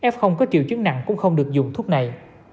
f có triệu chứng nặng cũng không được dùng thuốc này